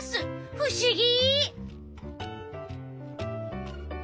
ふしぎ！